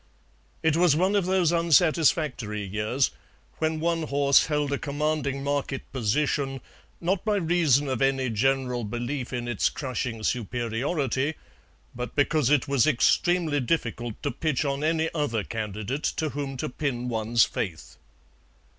It was one of those unsatisfactory years when one horse held a commanding market position, not by reason of any general belief in its crushing superiority, but because it was extremely difficult to pitch on any other candidate to whom to pin ones faith.